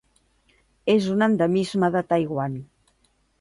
És un endemisme de Taiwan.